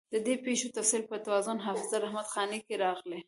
د دې پېښو تفصیل په تواریخ حافظ رحمت خاني کې راغلی.